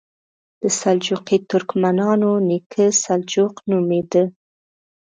د سلجوقي ترکمنانو نیکه سلجوق نومېده.